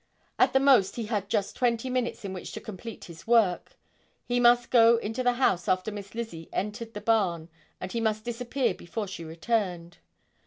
At the most he had just twenty minutes in which to complete his work. He must go into the house after Miss Lizzie entered the barn and he must disappear before she returned.